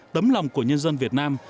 tấm lòng của nhân dân việt nam